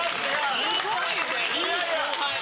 いい後輩。